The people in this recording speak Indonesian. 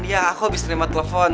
ya aku abis terima telepon